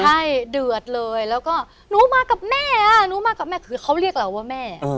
ใช่เดือดเลยเราก็หนูมากับแม่อะน้องหมดน้อง์คือเขาเรียกเราว่าแม่